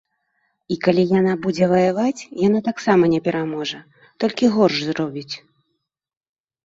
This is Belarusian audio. І калі яна будзе ваяваць, яна таксама не пераможа, толькі горш зробіць.